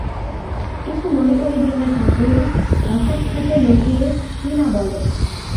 কিছু মনে করিবেন না ঠাকুর, অসাক্ষাতে লোকে কী না বলে।